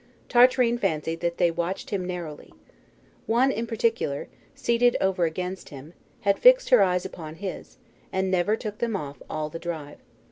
Tartarin fancied that they watched him narrowly. One in particular, seated over against him, had fixed her eyes upon his, and never took them off all the drive.